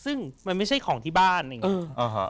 ซึ่งมันไม่ใช่ของที่บ้านอะไรอย่างนี้